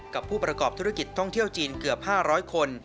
กับผู้ประกอบธุรกิจท่องเที่ยวจีนเกือบ๕๐๐คน